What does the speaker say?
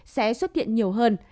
sẽ xuất hiện nhiều hơn